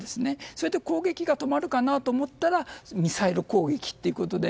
それで攻撃が止まるかと思ったらミサイル攻撃ということで。